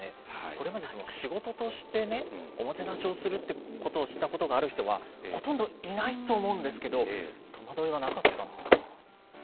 これまで仕事として、おもてなしをするっていうことをしたことがある人はほとんどいないと思うんですけど、戸惑いはなかったんですか？